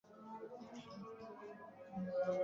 ছাত্রীর বাড়িতে খালি হাতে যাওয়ার প্রশ্ন ওঠে না।